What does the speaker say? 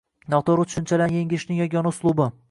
Noto‘g‘ri tushunchalarni yengishning yagona uslubi